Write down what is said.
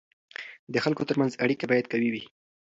د خلکو ترمنځ اړیکه باید قوي وي.